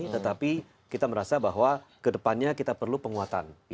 tetapi kita merasa bahwa kedepannya kita perlu penguatan